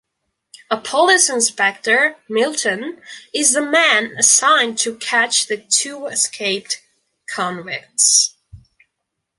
A police inspector, Milton, is the man assigned to catch the two escaped convicts.